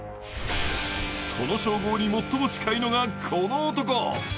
その称号に最も近いが、この男。